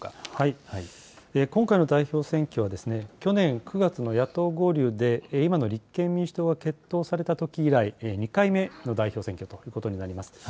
今回の代表選挙は、去年９月の野党合流で、今の立憲民主党が結党されたとき以来、２回目の代表選挙ということになります。